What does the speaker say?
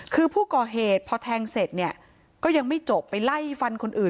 คือผู้ก่อเหตุพอแทงเสร็จเนี่ยก็ยังไม่จบไปไล่ฟันคนอื่น